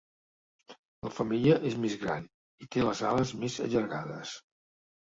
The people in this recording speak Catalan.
La femella és més gran i té les ales més allargades.